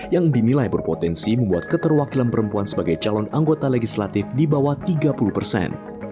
yang dinilai berpotensi membuat keterwakilan perempuan sebagai calon anggota legislatif di bawah tiga puluh persen